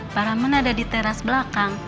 paramon ada di teras belakang